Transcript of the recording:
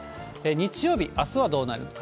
日曜日、あすはどうなるのか。